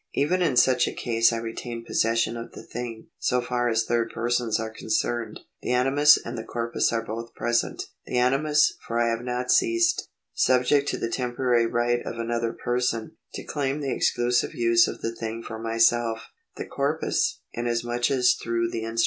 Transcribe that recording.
Even in such a case I retain possession of the thing, so far as third persons are concerned. The animus and the corpus are both present ; the animus, for I have not ceased, subject to the temporary right of another person, to claim the exclusive use of the thing for myself ; the corpus, inasmuch as through the instrument ahty of the 1 In Ancona y.